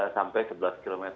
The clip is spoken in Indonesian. sampai sebelas km